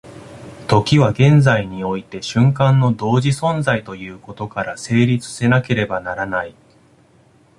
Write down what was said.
時は現在において瞬間の同時存在ということから成立せなければならない。